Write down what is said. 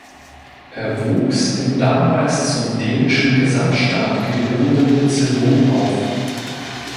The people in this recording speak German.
Er wuchs im damals zum dänischen Gesamtstaat gehörenden Itzehoe auf.